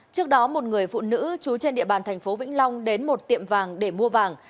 trước đó một người phụ nữ trú trên địa bàn thành phố vĩnh long đến một tiệm vàng để mua vàng